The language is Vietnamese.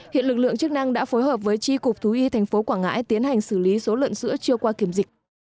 hiện lực lượng chức năng đã phối hợp với tri cục thú y tp hcm tiến hành xử lý số lượng sữa chưa qua kiểm dịch